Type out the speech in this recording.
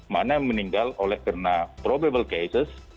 mana yang meninggal oleh karena probable cases